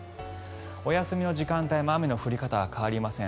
お休みの時間帯も雨の降り方は変わりません。